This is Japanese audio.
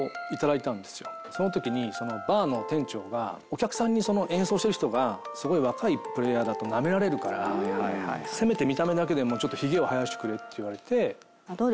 その時にそのバーの店長がお客さんに演奏してる人がすごい若いプレーヤーだとなめられるからせめて見た目だけでもちょっとヒゲを生やしてくれって言われて。